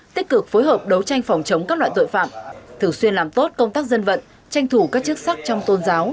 tích cực phối hợp đấu tranh phòng chống các loại tội phạm thường xuyên làm tốt công tác dân vận tranh thủ các chức sắc trong tôn giáo